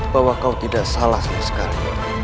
bahwa kau tidak salah sama sekali